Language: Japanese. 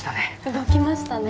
動きましたね。